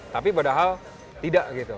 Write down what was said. tapi padahal tidak